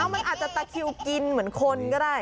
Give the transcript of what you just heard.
มันอาจจะตะคิวกินเหมือนคนก็ได้